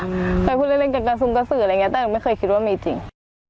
เคยพูดเล่นกับกระทรงกระสืออะไรอย่างเงี้แต่หนูไม่เคยคิดว่ามีจริง